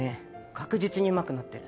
確実にうまくなってる。